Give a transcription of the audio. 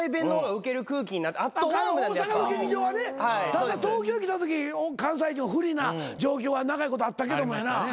ただ東京へ来たとき関西人は不利な状況は長いことあったけどもやな。